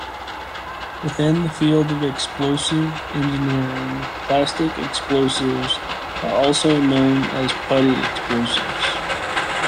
Within the field of explosives engineering, plastic explosives are also known as putty explosives.